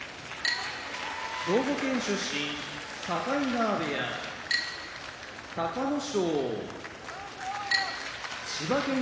兵庫県出身境川部屋隆の勝千葉県出身